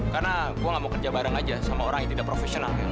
karena gue gak mau kerja bareng aja sama orang yang tidak profesional kayak lu